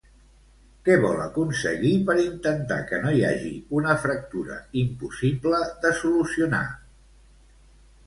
Què vol aconseguir per intentar que no hi hagi una fractura impossible de solucionar?